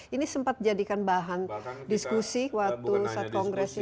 ini sempat jadikan bahan diskusi waktu saat kongres ini